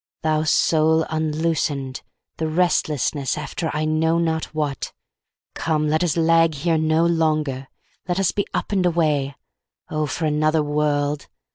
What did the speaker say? Thou, Soul, unloosen'd—the restlessness after I know not what; Come! let us lag here no longer—let us be up and away!O for another world!